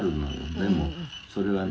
でもそれはね